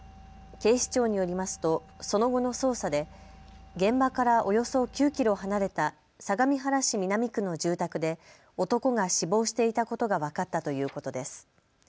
警視庁によりますとその後の捜査で現場からおよそ９キロ離れた相模原市南区の住宅で男が死亡していたことが分かったということです。